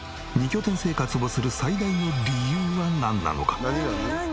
２拠点生活をする最大の理由はなんなのか？